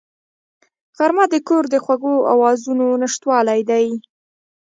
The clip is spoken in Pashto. غرمه د کور د خوږو آوازونو نشتوالی دی